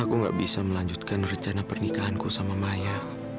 aku tidak bisa melanjutkan rencana pernikahan saya dengan maya